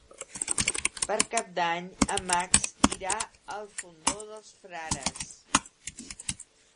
Per Cap d'Any en Max irà al Fondó dels Frares.